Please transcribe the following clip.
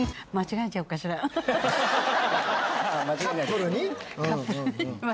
カップルに。